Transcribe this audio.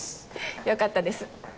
よかったです。